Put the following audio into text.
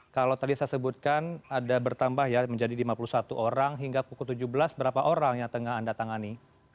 kalau tadi saya sebutkan ada bertambah ya menjadi lima puluh satu orang hingga pukul tujuh belas berapa orang yang tengah anda tangani